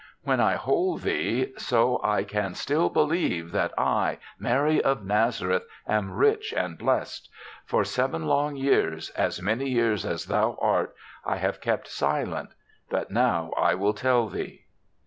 When I hold THE SEVENTH CHRISTMAS 33 thee so I can still believe that I, Mary of Nazareth, am rich and blessed. For seven long years, as many years as thou art, I have kept silent; but now I will tell thee.